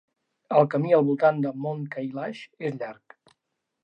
El camí al voltant de Mount Kailash és llarg.